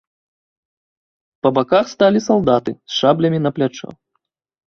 Па баках сталі салдаты з шаблямі на плячо.